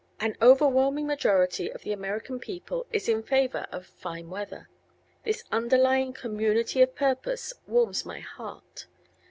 An overwhelming majority of the American people is in favor of fine weather. This underlying community of purpose warms my heart.